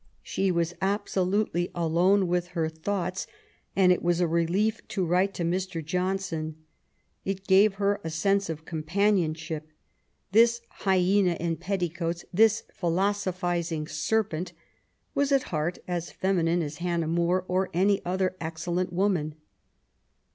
She was absolutely alone with her thoughts, and it was a relief to write to Mr. John son. It gave her a sense of companionship. This hyena in petticoats,'^ this ''philosophizing serpent,'* was at heart as feminine as Hannah More or any other *' excellent woman.